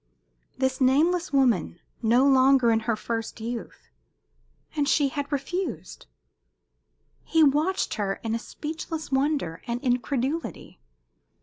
This nameless woman no longer in her first youth. And she had refused? He watched her in a speechless wonder and incredulity.